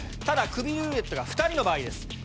ただクビルーレットが２人の場合です。